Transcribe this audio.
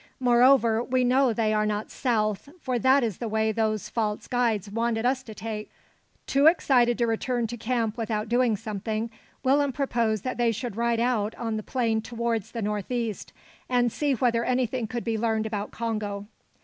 Moreover, we know they are not south, for that is the way those false guides wanted us to take." Too excited to return to camp without doing something, Willem proposed that they should ride out on the plain towards the north east, and see whether anything could be learned about Congo.